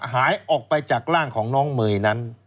หายออกไปจากร่างของน้องเมย์นั้น